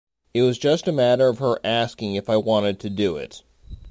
It was just a matter of her asking if I wanted to do it.